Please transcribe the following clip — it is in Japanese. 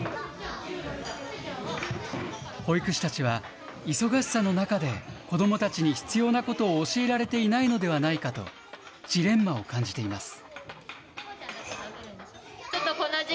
保育士たちは忙しさの中で子どもたちに必要なことを教えられていないのではないかと、ジレンマを感じています。